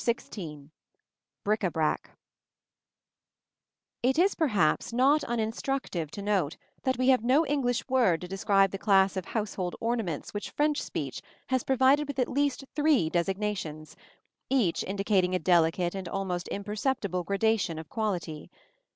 XVI BRIC À BRAC It is perhaps not uninstructive to note that we have no English word to describe the class of household ornaments which French speech has provided with at least three designations, each indicating a delicate and almost imperceptible gradation of quality.